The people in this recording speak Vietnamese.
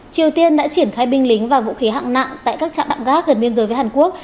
triều tiên đã triển khai binh lính và vũ khí hạng nặng tại các trạm đạm gác gần biên giới với hàn quốc